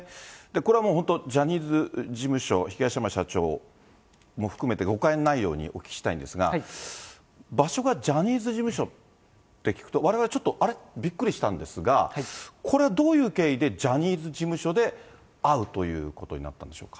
これはもう本当、ジャニーズ事務所、東山社長も含めて、誤解のないようにお聞きしたいんですが、場所がジャニーズ事務所って聞くと、われわれちょっと、あれ？ってびっくりしたんですが、これはどういう経緯でジャニーズ事務所で会うということになったんでしょうか。